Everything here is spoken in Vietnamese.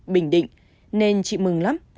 bình định nên chị mừng lắm